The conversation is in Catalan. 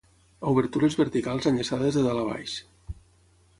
Obertures verticals enllaçades de dalt a baix.